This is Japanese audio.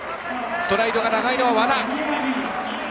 ストライドが長いのは和田。